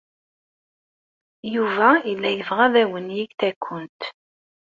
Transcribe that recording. Yuba yella yebɣa ad awen-yeg takunt.